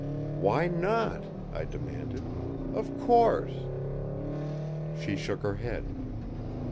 "Why not?" I demanded. "Of course!" She shook her head.